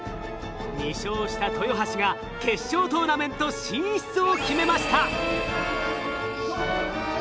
２勝した豊橋が決勝トーナメント進出を決めました。